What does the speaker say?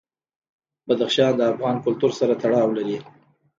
بدخشان د افغان کلتور سره تړاو لري.